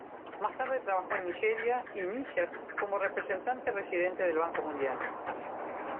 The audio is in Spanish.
Más tarde trabajó en Nigeria y Níger como representante residente del Banco Mundial.